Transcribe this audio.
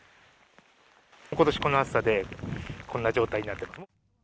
ことし、この暑さで、こんな状態になっています。